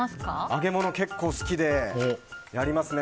揚げ物、結構好きでやりますね。